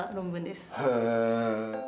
へえ。